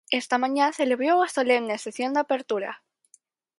Esta mañá celebrou a solemne sesión de apertura.